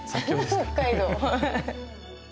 北海道。